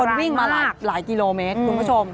วิ่งมาหลายกิโลเมตรคุณผู้ชม